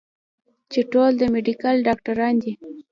چې ټول د ميډيکل ډاکټران دي